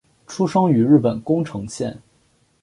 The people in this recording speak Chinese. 出生于日本宫城县。